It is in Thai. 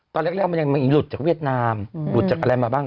ตอนที่เริ่มลุดจากเวียดนามลุดจากอะไรมาบ้าง